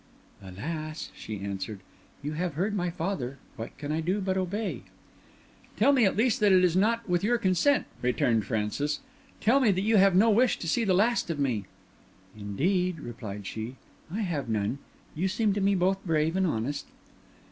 "Alas!" she answered. "You have heard my father. What can I do but obey?" "Tell me at least that it is not with your consent," returned Francis; "tell me that you have no wish to see the last of me." "Indeed," replied she, "I have none. You seem to me both brave and honest."